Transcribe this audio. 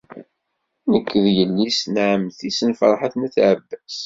Nekk d yelli-s n ɛemmti-s n Ferḥat n At Ɛebbas.